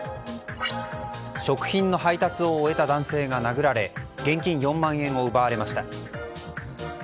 食品の配達を終えた男性が殴られ現金４万円を奪われました。